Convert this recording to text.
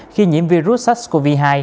khi nhiễm virus sars cov hai